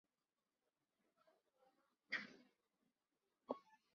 现为丹麦电视台第九频道足球评述员。